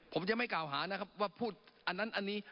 ผมจะไม่กล่าวหานะครับว่าพูดอันนั้นอันนี้